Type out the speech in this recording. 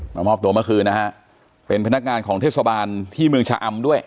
มามอบตัวเมื่อคืนนะฮะเป็นพนักงานของเทศบาลที่เมืองชะอำด้วย